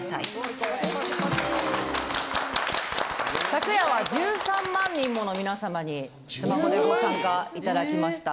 昨夜は１３万人もの皆さまにスマホでご参加いただきました。